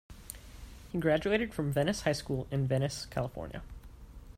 He graduated from Venice High School in Venice, California.